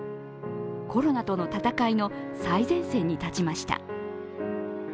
コロナとの闘いの最前線に立ちました。